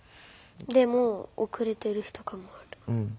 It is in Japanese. でも遅れてる日とかもある。